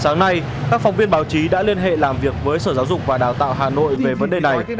sáng nay các phóng viên báo chí đã liên hệ làm việc với sở giáo dục và đào tạo hà nội về vấn đề này